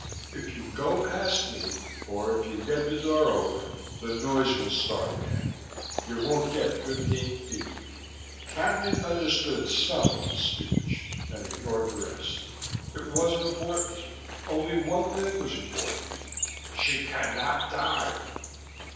"If you go past me, or if you get the door open, the noise will start again. You won't get fifteen feet." Cadnan understood some of the speech, and ignored the rest: it wasn't important. Only one thing was important: "She can not die."